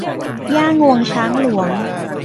หญ้างวงช้างหลวง